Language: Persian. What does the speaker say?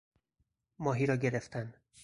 ماهی را گرفتن